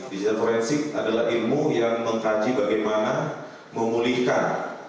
digital forensik adalah ilmu yang mengkaji bagaimana memulihkan